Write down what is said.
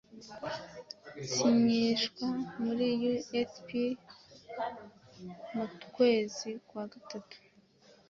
nsinyishwa muri utp mu kwezi kwa gatatu